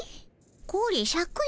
これシャクよ。